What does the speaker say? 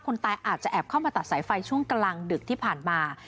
ตายอาจจะแอบเข้ามาตัดสายไฟช่วงกลางดึกที่ผ่านมา